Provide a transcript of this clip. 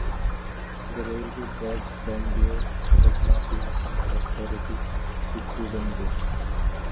The railway brought grandeur but not lasting prosperity, to Cruden Bay.